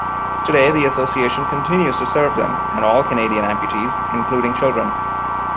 Today, the Association continues to serve them, and all Canadian amputees, including children.